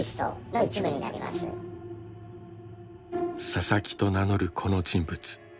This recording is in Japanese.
ササキと名乗るこの人物。